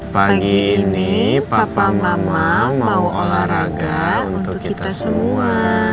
pagi ini papa mama mau olahraga untuk kita semua